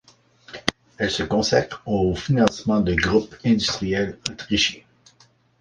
Elle se consacre au financement de groupes industriels autrichiens.